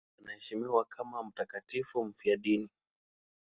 Tangu kale anaheshimiwa kama mtakatifu mfiadini.